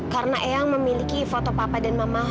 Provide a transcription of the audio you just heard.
karena eyang memiliki foto papa dan mama